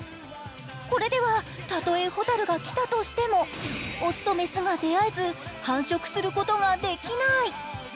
これではたとえほたるが来たとしても雄と雌が出会えず繁殖することができない。